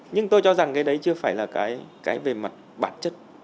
nhưng tôi cho rằng cái đấy chưa phải là cái về mặt bản chất